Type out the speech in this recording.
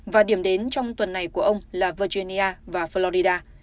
và điểm đến trong tuần này của ông là virginia và florida